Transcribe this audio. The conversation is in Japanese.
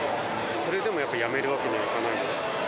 それでもやっぱりやめるわけにはいかない？